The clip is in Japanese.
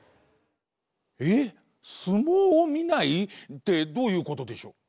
えっ相撲をみない？ってどういうことでしょう？